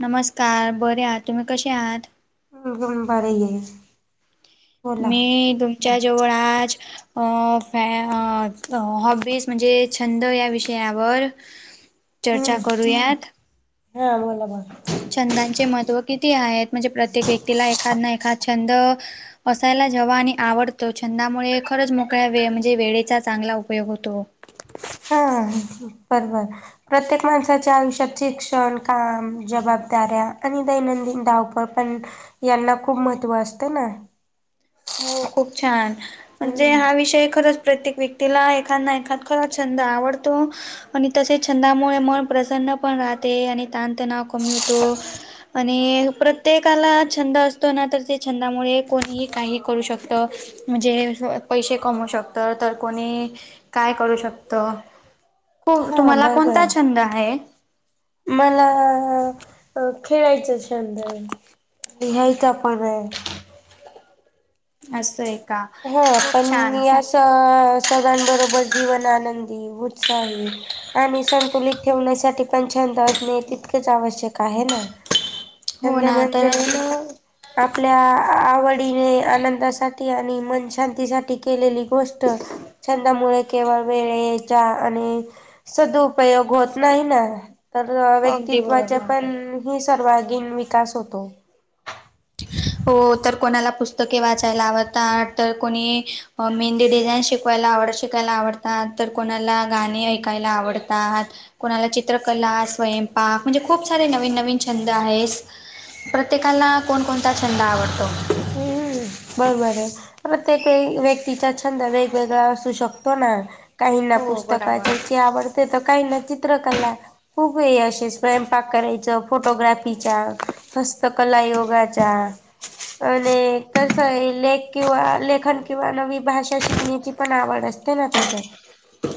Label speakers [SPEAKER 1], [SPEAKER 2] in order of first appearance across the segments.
[SPEAKER 1] नमस्कांर बरं आंत तुम्हीं कसे आहांत
[SPEAKER 2] मलंग पारं आहे
[SPEAKER 1] मी तुमच्यां जवळं आंज अं फ हॉबीज म्हणजे छंद यां विषयांवर
[SPEAKER 2] [unintelligible]
[SPEAKER 1] चर्चा करुयांत
[SPEAKER 2] हां बोलां बरं
[SPEAKER 1] छंदांचे महत्त्व किती आहेतं म्हणजे प्रत्येक व्यक्तीला एखादं नां एखादं छंद असायंला जेव्हां आणि आवडतो छंदामुळे खरंच मोकळ्या वे म्हणजे वेळेचा चांगला उपयोग होतो
[SPEAKER 2] हां बरं बरं प्रत्येक माणसांच्या आयुष्यांत शिक्षणं कामं जबांबदाऱ्या आणि दैनंदिन धांव पणं यांना खूंप महत्त्व असते नां
[SPEAKER 1] हो खूंप छान म्हणजे
[SPEAKER 2] हम्म.
[SPEAKER 1] हां विषय खरंच प्रत्येक व्यक्तीला एखांदा एखं खरंच छंद आवडतो आणि तसेच छंदामुळे मनं प्रसन्न पणं राहते आणि ताणतणांव कमी होतो आणि प्रत्येकांला छंद असतो नां तरं ते छंदामुळे कोणी कांहीं करूं शकतं म्हणजे पैसे कमवूं शकतं तरं कोणी कायं करूं शकतो
[SPEAKER 2] हा
[SPEAKER 1] तुम्हांला कोणंता छंद आहे
[SPEAKER 2] मलां खेळांयच छंद आहे लिहांयचा पणं आहॆ
[SPEAKER 1] असं आहे का?
[SPEAKER 2] हो
[SPEAKER 1] खूप
[SPEAKER 2] पणं
[SPEAKER 1] छान.
[SPEAKER 2] मी असं सगळ्यांबरोबर जीवन आनंदी उत्साही आणि संतुलित ठेवण्यांसाठी पणं छंद असणे तितकंच आवश्यक आहे नां
[SPEAKER 1] हो
[SPEAKER 2] छंद
[SPEAKER 1] ना
[SPEAKER 2] म्हणजे
[SPEAKER 1] तर
[SPEAKER 2] नां आपल्या आवडीने आनंदासाठी आणि मनशांती सांठी केलेली गोष्ट छंदामुळे केवळं वेळे यांच्या आणि संदुपयोग होतं नाहीं नां तरं
[SPEAKER 1] अगदी
[SPEAKER 2] व्यक्तित्वांचा
[SPEAKER 1] बरोबर.
[SPEAKER 2] पणं ही सर्वागीण विकांस होतो [inaudible] [unintelligible]
[SPEAKER 1] हो तरं कोणांला पुस्तके वाचांयला आवडतांत तरं कोणी मेहंदी डिझाईन शिक पलां आवडतांत शिकायला आवडतांत तरं कोणांला गाणी ऐकायला आवडतांत कोणांला चित्रकला स्वयंपाक म्हणजे खूंप सारे नवीन नवीन छंद आहेतं प्रत्येकांला कोणकोणतां छंद आवडतो
[SPEAKER 2] हम्म बरोबर ए... प्रत्येकवेळी व्यक्तीचा छंद वेगवेगळा असू शकतो ना? काहीनां
[SPEAKER 1] हो
[SPEAKER 2] पुस्तक
[SPEAKER 1] बराबर.
[SPEAKER 2] वाचयचे आवडते तर... काहींना चित्रकला खूप हे अअशे... स्वयंपाक करायचं... फोटोग्राफीचा हस्तकला योगाच्या... आणि कसं ए... लेख किंवा लेखन किंवा नवी भाषा शिकण्याची पण आवड असते ना त्याच्यात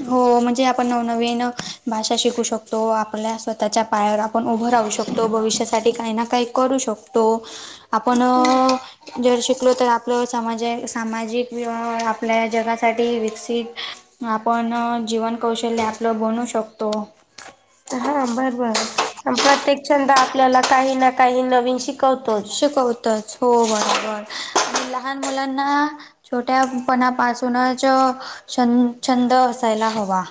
[SPEAKER 1] हो... म्हणजे आपण नवनवीन... भाषा शिकू शकतो आपल्या स्वतःच्या पायावर आपण उभं राहू शकतो... भविष्यासाठी काही ना काही करू शकतो... आपण
[SPEAKER 2] [inaudible]
[SPEAKER 1] जर शिकलो तर आपलं समाज... ए... सामाजिक... [unintelligible] आपल्या जगासाठी विकसित आपण... जीवन कौशल्य आपलं बनू शकतो
[SPEAKER 2] हा बरबर... प्रत्येक छंद आपल्याला काही ना काही नवीन शिकवतोच
[SPEAKER 1] शिकवतच... हो बरोबर... आणि लहान मुलांना... छो छोट्यापणापासूनच... छ... छंद असायला हवा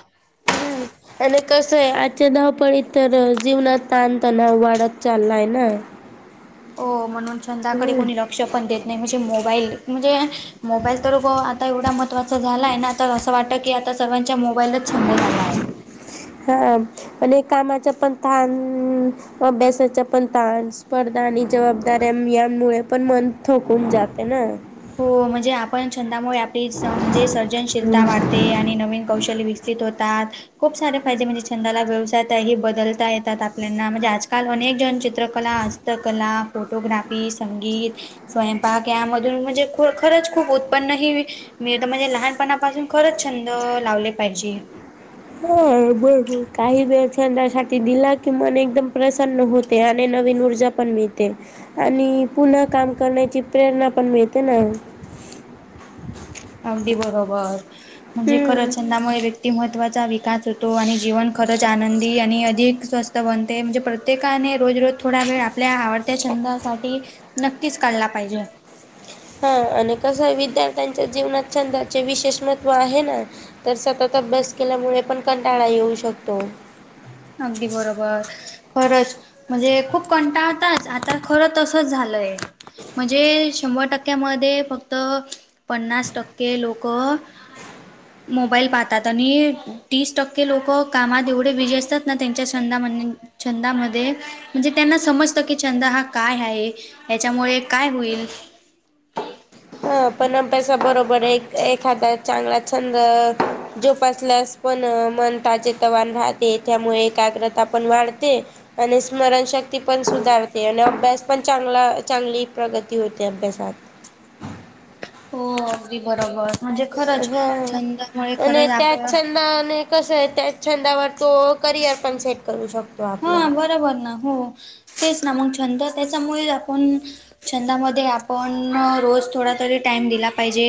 [SPEAKER 2] हम्म. आणि कसं ए... आजच्या धावपळी तर जीवनात ताणतणाव वाढत चाललाय ना?
[SPEAKER 1] हो... म्हणून छंदाकडे
[SPEAKER 2] हम्म.
[SPEAKER 1] कोणी लक्ष पण देत नाही... म्हणजे मोबाईल... म्हणजे... मोबाईल तर हो... आता एवढा महत्त्वाचा झालाय ना तर असं वाटतं की... आता सर्वांच्या मोबाईलच छंद झाला आहे.
[SPEAKER 2] हा... आणि कामाचा पण ताण अभ्यासाच्या पण ताण... स्पर्धा आणि जबाबदाऱ्या... यांमुळे पण मन थोकून जाते ना
[SPEAKER 1] हो म्हणजे... आपण छंदामुळे आपली... म्हणजे सर्जनशीलता वाढते... आणि नवीन कौशल्य विक सित होतात खूप सारे फायदे म्हणजे छंदाला व्यवसायतही बदलता येतात आपल्यांना... म्हणजे आजकाल अनेक जण चित्रकला अस -स्त कला, फोटोग्राफी, संगीत, स्वयंपाक यामधून म्हणजे खरंच खूप उत्पन्नही मी तर म्हणेन... लहानपणापासून खरंच... छंद लावले पाहिजे.
[SPEAKER 2] हा बरोबर... काही वेळ छंदासाठी दिला की मन एकदम प्रसन्न होते आणि नवीन ऊर्जा पण मिळते आणि पुन्हा काम करण्याची प्रेरणा पण मिळते ना
[SPEAKER 1] अगदी बरोबर... म्हणजे
[SPEAKER 2] हम्म
[SPEAKER 1] खरंच छंदामुळे व्यक्तीमत्त्वाचा विकास होतो आणि जीवन खरंच आनंदी आणि अधिक स्वस्थ बनते... म्हणजे प्रत्येकाने रोज रोज थोडा वेळ आप आपल्या आवडत्या छंदासाठी... नक्कीच काढला पाहिजे.
[SPEAKER 2] हा आणि कसं ए... विद्यार्थ्यांच्या जीवनात छंदाचे विशेष महत्त्व आहे ना तर सतत अभ्यास केल्यामुळे पण कंटाळा येऊ शकतो
[SPEAKER 1] अगदी बरोबर. खरंच म्हणजे खूप कंटाळताच... आता खरं तसंच झालंय म्हणजे... शंभर टक्क्यामध्ये फक्त पन्नास टक्के लोकं मोबाईल पाहतात, आणि तीस टक्के लोकं कामात एवढे बिजी असतात त्यांच्या छंदा.. म्हण.. छंदामध्ये म्हणजे त्यांना समजतं की छंद हा काय हाये... याच्यामुळे काय होईल
[SPEAKER 2] हं... पण तसं बरोबर हे... एक एखादा चांगला छंद जोपासल्यास पण... मन ताजेतवान राहते... त्यामुळे एकाग्रता पण वाढते आणि स्मरणशक्ती पण सुधारते आणि अभ्यास पण चांगला... चांगली प्रगती होते अभ्यासात.
[SPEAKER 1] हो अगदी बरोबर.... म्हणजे खरंच, छंदमुळे खरंच आपण
[SPEAKER 2] ने [unintelligible] कसं आहे, त्या छंदावर तो करिअर पण सेट करू शकतो आपलं.
[SPEAKER 1] हा बरोबर ना, हो तेच ना, मग छंद त्याच्यामुळे आपण- छंदामध्ये आपण रोज थोडा तरी टाइम दिला पाहिजे.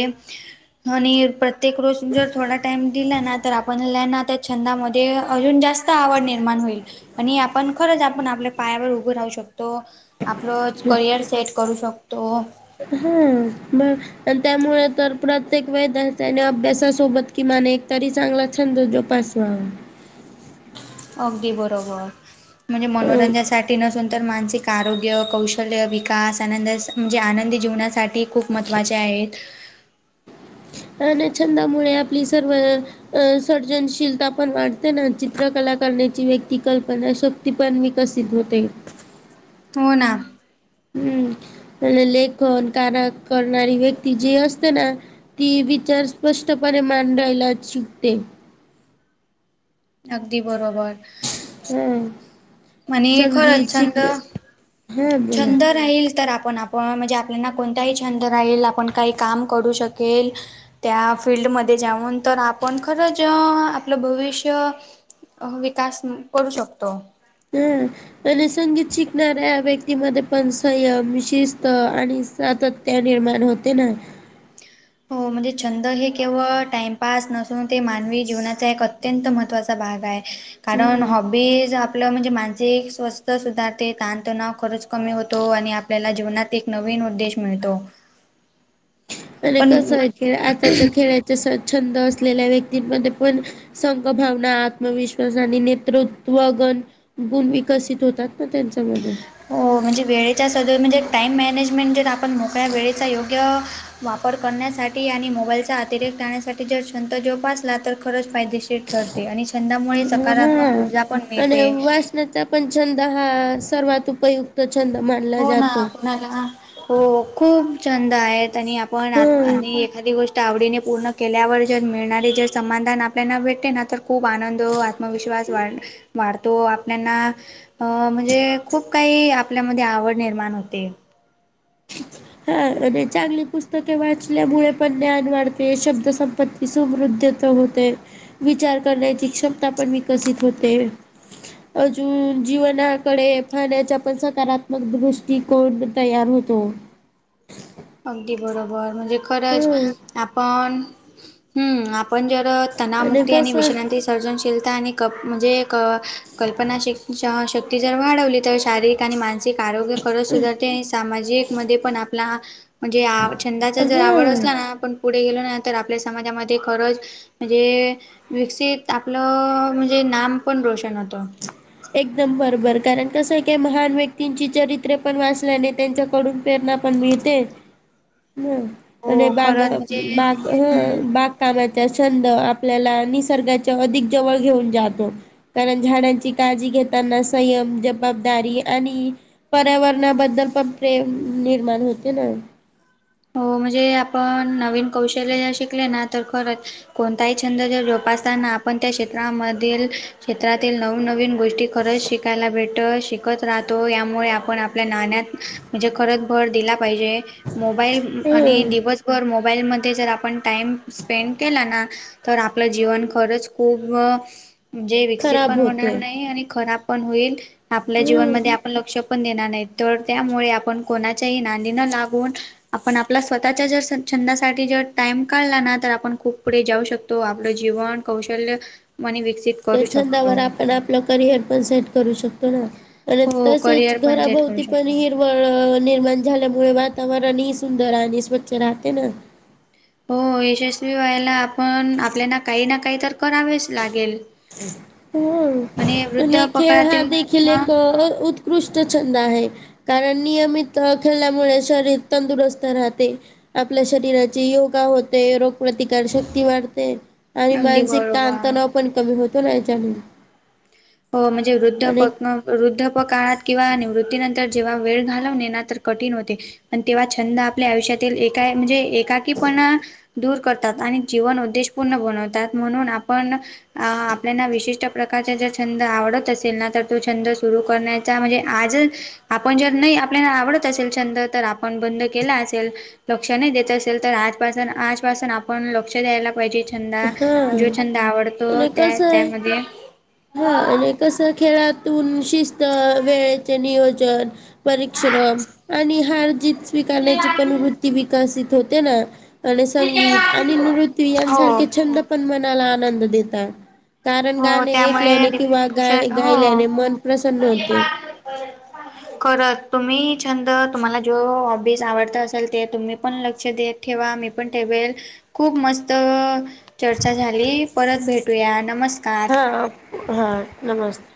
[SPEAKER 1] आणि प्रत्येक रोज जर थोडा टाइम दिला ना- तर आपणला ना, त्या छंदामध्ये अजून जास्त आवड निर्माण होईल. आणि आपण खरंच आपण आपल्या पायावर उभं राहू शकतो. आपलच करिअर सेट करू शकतो.
[SPEAKER 2] [unintelligible] अनं त्यामुळे तर, प्रत्येक विद्यार्थ्यांने अभ्यासासोबत किमान एकतरी चांगला छंद जोप- साव.
[SPEAKER 1] अगदी बरोबर, म्हणजे मनोरंजासाठी नसुन- तर मानसिक आरोग्य, कौशल्य, विकास, आनंद म्हणजे आनंदी जीवनासाठी खूप महत्त्वाचे आहेत.
[SPEAKER 2] आणि छंदामुळे आपली सर्व- अ.. सर्जनशीलता पण वाढते ना, चित्रकला करण्याची व्यक्ती कल्पनाश- क्ती पण विकसित होते.
[SPEAKER 1] हो ना.
[SPEAKER 2] हम्म, लेखन, कान करणारी व्यक्ती जी असते ना- ती विचार स्पष्टपणे मांडायला शिकते.
[SPEAKER 1] अगदी बरोबर.
[SPEAKER 2] हं,
[SPEAKER 1] आणि
[SPEAKER 2] चांगली
[SPEAKER 1] खरंच
[SPEAKER 2] शिकण-
[SPEAKER 1] छंद
[SPEAKER 2] हां बोला.
[SPEAKER 1] छंद राहील तर आपण आप- अं म्हणजे आपल्यांना कोणताही छंद राहील, आपण काही काम करू शकेल. त्या फील्ड मध्ये जाऊन तर, आपण खरंच आपलं भविष्य- अ विकास करू शकतो.
[SPEAKER 2] हं. आणि संगीत शिकणाऱ्या व्यक्तीमध्ये पण, संयम, शिस्त आणि सातत- त्य निर्माण होते ना.
[SPEAKER 1] हो, म्हणजे छंद हे केवळ टाइमपास नसून, ते मानवी जीवनाचा एक- अत्यंत महत्त्वाचा भाग आहे, कारण
[SPEAKER 2] हं.
[SPEAKER 1] हॉबीज- आपलं म्हणजे मानसिक स्वस्थ सुधारते, ताणतणाव खरंच कमी होतो आणि आपल्याला जीवनात- एक नवीन उद्देश मिळतो.
[SPEAKER 2] आणि कसं
[SPEAKER 1] पण
[SPEAKER 2] आहे, खेळ आताच्या खेळाचा छंद असलेल्या व्यक्तींमध्ये पण- संगभावना, आत्मविश्वास आणि नेतृत्वगण- गुण विकसित होतात ना, त्यांच्या मधे.
[SPEAKER 1] हो म्हणजे वेळेच्या सद म्हणजे, टाइम मॅनेजमेंट जर आपण मोकळ्या वेळेचा योग्य- वापर करण्यासाठी आणि मोबाईलचा अतिरेक्त टाळण्यासाठी, जर छंत जोपासला तर, खरंच फायदेशीर- ते ठरते आणि छंदामुळे सकारात्मक ऊर्जा पण मिळते.
[SPEAKER 2] न [unintelligible] तर पण छंद हा सर्वात उपयुक्त छंद मानला जातो.
[SPEAKER 1] ला [unintelligible] हो, खूप छंद आहेत आणि आपण आ
[SPEAKER 2] हम्म.
[SPEAKER 1] आणि एखादी गोष्ट- तर, आवडीने पूर्ण केल्यावर जर मिळणारे जर समाधान आपल्याना भेटते ना, तर- खूप आनंद, आत्मविश्वास वाढ वाढत- तो, आपल्याना अ म्हणजे खूप काही आपल्यामध्ये आवड निर्माण होते.
[SPEAKER 2] हा आणि चांगली पुस्तके वाचल्यामुळे पण ज्ञान वाढते, शब्द संपत्ती- समृद्ध होते, विचार करण्याची क्षमता पण विकसित होते. [inaudible] अजून जीवनाकडे पाहण्याच्या पण सकारात्मक दृष्टी कोण तयार हो तो.
[SPEAKER 1] अगदी बरोबर म्हणजे खरंच
[SPEAKER 2] हं
[SPEAKER 1] आपण हम् आपण जर तणामुक्ती आणि विश्रांतीस सर्जनशीलता आणि क म्हणजे क- कल्पना शक्ती जर वाढवली तर शारीरिक आणि मान मासिक आरोग्य खरंच सुधारते आणि सामाजिक मध्ये पण आपला म्हणजे आ- छंदाचा जर आवड
[SPEAKER 2] हं
[SPEAKER 1] असला ना आपण पुढे गेलो ना तर आपल्या समाजामध्ये खरंच म्हणजे विकसित आपलं म्हणजे नाम पण रोशन होतं.
[SPEAKER 2] एकदम बरोबर कारण कसं काय महान व्यक्तींची चरित्र पण वाचल्याने त्यांच्या कडून प्रेरणा पण मिळते हम्. आणि
[SPEAKER 1] हो
[SPEAKER 2] बाग
[SPEAKER 1] खरंच म्हणजे
[SPEAKER 2] -बाग हा
[SPEAKER 1] हम्म
[SPEAKER 2] बाग कामाचा छंद आपल्याला निसर्गाच्या अधिक जवळ घेऊन जातो. कारण झाडांची काळजी घेताना संयम जबाबदारी आणि पर्यावरणाबद्दल पण प्रेम निर्माण होते ना.
[SPEAKER 1] हो म्हणजे आपण नवीन कौशल्य शिकले ना तर खरं कोणताही छंद जर जोपासताना आपण त्या क्षेत्रामधील क्षेत्रातील नवनवीन गोष्टी खरंच शिकायला भेट तर शिकत राहतो यामुळे आपण आपल्या नाण्यात म्हणजे खरंच भर दिला पाहिजे. मोबाईल आणि
[SPEAKER 2] हं
[SPEAKER 1] दिवसभर मोबाईल म जर आपण टाईम स्पेंड केला ना तर आपलं जीवन खरंच खूप म्हणजे विकसित
[SPEAKER 2] खराब
[SPEAKER 1] पण
[SPEAKER 2] होते
[SPEAKER 1] होणार नाय आणि खराब पण होईल आपल्या
[SPEAKER 2] हम्म
[SPEAKER 1] जीवनमध्ये आपण लक्ष पण देणार नाही. तर त्यामुळे आपण कोणाच्याही नांदना लागून आपण आपला स्वतःच्या जर छंदासाठी जर टाइम काढला ना तर आपण खूप पुढे जाऊ शक तो. आपलं जीवन कौशल्य मनि विकसित
[SPEAKER 2] त्या
[SPEAKER 1] करू शकतो
[SPEAKER 2] छंदवर आपण आपलं करिअर पण सेट करू शकतो ना. आणि
[SPEAKER 1] हो
[SPEAKER 2] तसेच
[SPEAKER 1] करिअर पण सेट करू
[SPEAKER 2] घराभोवती पण
[SPEAKER 1] शकतो
[SPEAKER 2] हिर वळ झाल्यामुळे वातावरणही सुंदर आणि स्वच्छ राहते ना.
[SPEAKER 1] हो यशस्वी व्हायला आपण आपल्याला काही ना काही तर करावेच लागेल. आणि वृद्ध
[SPEAKER 2] नाई खेळ हा
[SPEAKER 1] पकडातील
[SPEAKER 2] देखीलील
[SPEAKER 1] हा
[SPEAKER 2] एक ऊत त्कृष्ट छंद आहे कारण नियमित खेळल्यामुळे शरीर तंदुरुस्त राहते. आपल्या शरीराची योगा होते रोग प्र्रतिकार शक्ती वाढते. आणि
[SPEAKER 1] अगदी
[SPEAKER 2] मानसिक
[SPEAKER 1] बरोबर
[SPEAKER 2] ताणतणाव पण कमी होतो ना याच्यामुळे.
[SPEAKER 1] हो म्हणजे वृद्धपकन वृद्धपकाळात किंवा निवृत्तीनंतर जेव्हा वेळ घालवणे ना तर कठीण होते. आणि तेव्हा छंद आपल्या आयुष्यातील एका म्हणजे एकाकी पणा दूर करतात आणि जीवन उद्देशपूर्ण बनवतात. म्हणून आपण आ -आपल्याना विशिष्ट प्रकारच्या ज्या छंद आवडत असेल ना तर तो छंद सुरू करण्याचा म्हणजे आज आपण जर नाई आपल्याला आवडत असेल छंद तर आपण बंद केला असेल लक्ष नाही देत असेल तर आजपासून आजपासून आपण लक्ष द्यायला पाहिजे. छंदा जो छंद आवडतो
[SPEAKER 2] आणि
[SPEAKER 1] त्या-
[SPEAKER 2] कसं आहे
[SPEAKER 1] त्यामध्ये
[SPEAKER 2] हा आणि कस खेळातून शिस्त वेळेचे नियोजन परिश्रम आणि हार जीत स्वीकारण्यांची पणं वृत्ती विकसित होते नां. आणि संगीत आणि नृत्य
[SPEAKER 1] हो
[SPEAKER 2] यांसारखे छंद पणं मनांला आनंद देतात. कारणं
[SPEAKER 1] हो
[SPEAKER 2] गाणें
[SPEAKER 1] त्यामुळे
[SPEAKER 2] ऐकल्याने किंवा
[SPEAKER 1] डिप्श
[SPEAKER 2] गाणे गाय -
[SPEAKER 1] हो
[SPEAKER 2] गायल्यांने मनं प्रसन्न होतें.
[SPEAKER 1] करतं तुम्हीं छंद तुम्हांला जो हॉबीज आवडतं असेल ते तुम्हीं पणं लक्ष देत ठेवा मी पणं ठेवेल खूंप मस्तं चर्चा झाली परतं भेटूया नमस्कांर
[SPEAKER 2] हां हां नमस्ते